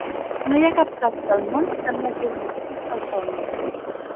No hi ha cap sastre al món que no hagi robat uns calçons.